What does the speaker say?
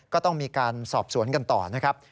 ก็ต้องมีการสอบสวนกันต่อนะครับ